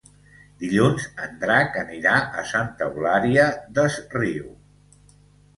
Dilluns en Drac anirà a Santa Eulària des Riu.